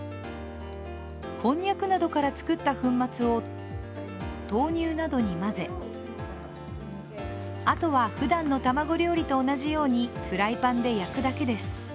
こんにゃくなどから作った粉末を豆乳などに混ぜあとはふだんの卵料理と同じようにフライパンで焼くだけです。